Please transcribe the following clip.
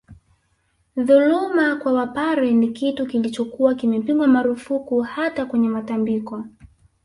Dhuluma kwa Wapare ni kitu kilichokuwa kimepigwa marufuku hata kwenye matambiko